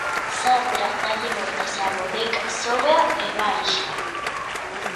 Sandra dálle voltas á boneca, sóbea e báixaa.